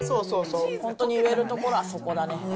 本当に言えるとこはそこだね。